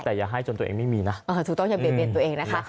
แต่อย่าให้จนตัวเองไม่มีนะถูกต้องอย่าเบียดเบียนตัวเองนะคะ